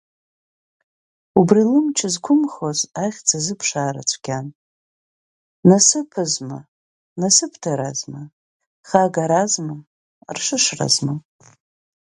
Убри лымч зқәымхоз ахьӡ азыԥшаара цәгьан, насыԥызма, насыԥ-даразма, хагаразма, аршышразма.